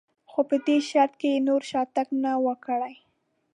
خو په دې شرط که یې نور شاتګ نه و کړی.